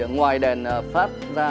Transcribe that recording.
ngoài đèn flash ra